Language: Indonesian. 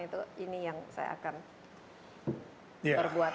itu ini yang saya akan perbuat